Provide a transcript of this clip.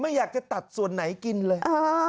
ไม่อยากจะตัดส่วนไหนกินเลย